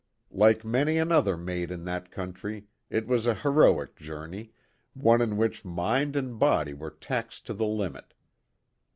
Like many another made in that country, it was an heroic journey, one in which mind and body were taxed to the limit.